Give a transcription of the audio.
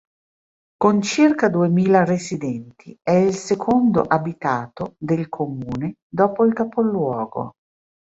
Con circa duemila residenti, è il secondo abitato del comune dopo il capoluogo.